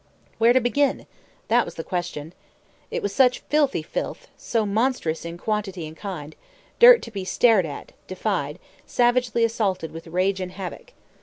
Where to begin? that was the question. It was such filthy filth, so monstrous in quantity and kind, dirt to be stared at, defied, savagely assaulted with rage and havoc.